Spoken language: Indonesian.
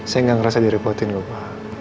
saya nggak ngerasa direpotin lho pak